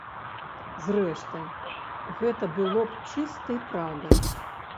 Зрэшты, гэта было б чыстай праўдай.